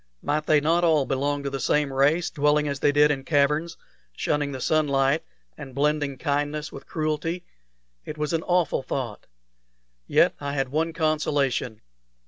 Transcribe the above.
Might they not all belong to the same race, dwelling as they did in caverns, shunning the sunlight, and blending kindness with cruelty? It was an awful thought! Yet I had one consolation.